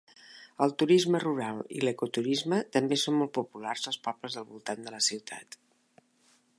El turisme rural i l'eco-turisme també són molt populars als pobles del voltant de la ciutat.